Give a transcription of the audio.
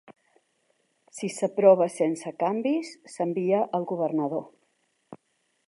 Si s'aprova sense canvis s'envia al governador.